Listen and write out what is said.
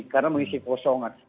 karena mengisi kosongan